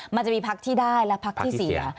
มันจะมีพักที่ได้และพักที่เสีย